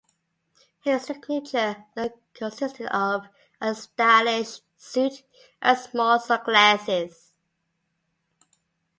His signature look consisted of a stylish suit and small sunglasses.